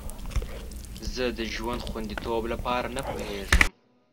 زه د ژوند خوندیتوب لپاره نه پوهیږم.